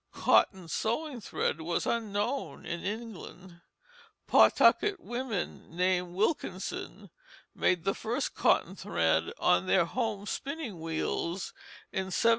Cotton sewing thread was unknown in England. Pawtucket women named Wilkinson made the first cotton thread on their home spinning wheels in 1792.